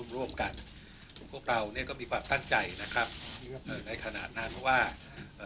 ร่วมกันพวกเรานี่ก็มีความตั้งใจนะครับอยู่ในขณะนั้นว่าเอ่อ